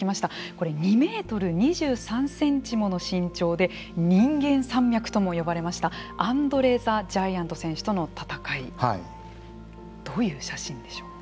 これ、２メートル２３センチもの身長で人間山脈とも呼ばれましたアンドレ・ザ・ジャイアントさんとの戦いどういう写真でしょう。